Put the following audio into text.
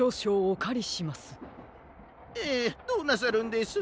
ええどうなさるんです？